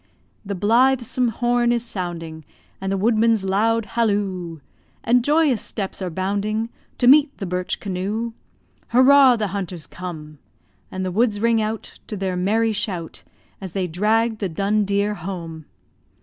The blithesome horn is sounding, And the woodman's loud halloo; And joyous steps are bounding To meet the birch canoe. "Hurrah! The hunters come." And the woods ring out To their merry shout As they drag the dun deer home!